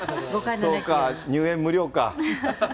そうか、入園無料か。